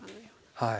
はい。